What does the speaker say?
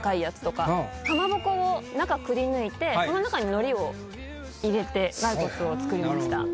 かまぼこを中くりぬいてその中に海苔を入れて骸骨を作りました。